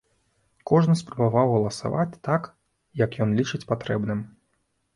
Кожны спрабаваў галасаваць так, як ён лічыць патрэбным.